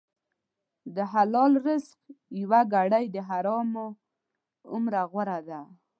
د حلال رزق یوه ګړۍ د حرامو عمره غوره ده.